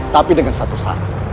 tapi dengan satu saran